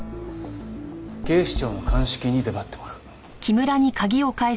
警視庁の鑑識に出張ってもらう。